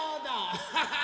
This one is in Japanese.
アッハハ！